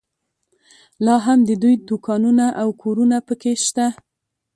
لا هم د دوی دوکانونه او کورونه په کې شته.